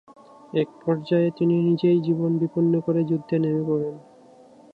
এক পর্যায়ে তিনি নিজেই জীবন বিপন্ন করে যুদ্ধে নেমে পড়েন।